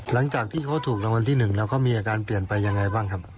หลังจากที่เขาถูกรางวัลที่๑แล้วเขามีอาการเปลี่ยนไปยังไงบ้างครับ